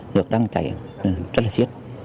nước đang chạy rất là xiết